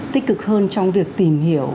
tích cực hơn trong việc tìm hiểu